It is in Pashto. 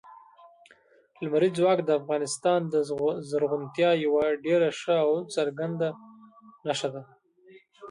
لمریز ځواک د افغانستان د زرغونتیا یوه ډېره ښه او څرګنده نښه ده.